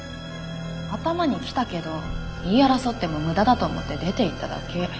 頭にきたけど言い争っても無駄だと思って出て行っただけ。